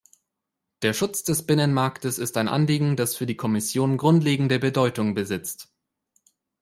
Der Schutz des Binnenmarktes ist ein Anliegen, das für die Kommission grundlegende Bedeutung besitzt.